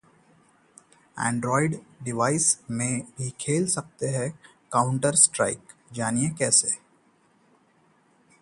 Android device में भी खेल सकते हैं Counter Strike, जानिए कैसे